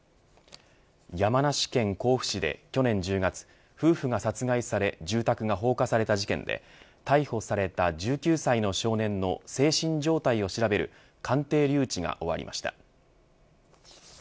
山梨県甲府市で去年１０月、夫婦が殺害され住宅が放火された事件で逮捕された１９歳の少年の精神状態を調べる鑑定留置が終わりました。